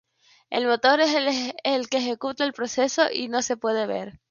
El motor es el que ejecuta el proceso y no se puede ver.